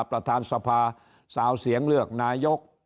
ประธานสภาสาวเสียงเลือกนายก